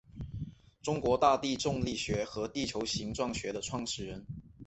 中国大地重力学和地球形状学的创始人。